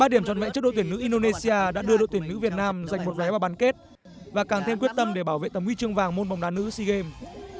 ba điểm trọn vẹn trước đội tuyển nữ indonesia đã đưa đội tuyển nữ việt nam giành một vé vào bán kết và càng thêm quyết tâm để bảo vệ tầm huy chương vàng môn bóng đá nữ sea games